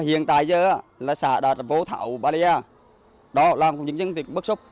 hiện tại giờ là xã đà rập vô thảo bà ria làm những dân tịch bức xúc